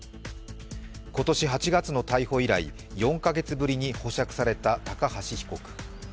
今年８月の逮捕以来、４か月ぶりに保釈された高橋被告。